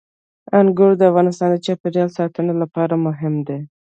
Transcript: انګور د افغانستان د چاپیریال ساتنې لپاره مهم دي.